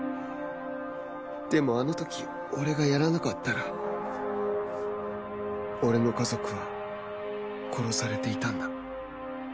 でもあの時俺がやらなかったら俺の家族は殺されていたんだ